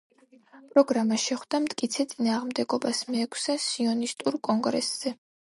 პროგრამა შეხვდა მტკიცე წინააღმდეგობას მეექვსე სიონისტურ კონგრესზე.